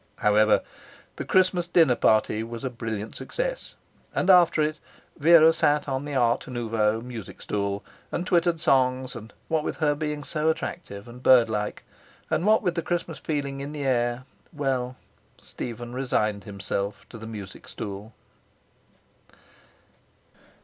However, the Christmas dinner party was a brilliant success, and after it Vera sat on the art nouveau music stool and twittered songs, and what with her being so attractive and birdlike, and what with the Christmas feeling in the air... well, Stephen resigned himself to the music stool.